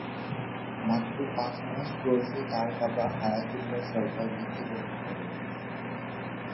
মাত্র পাঁচ মাস বয়সে তার বাবা হায়াত উল্লাহ সরকার মৃত্যুবরণ করেন।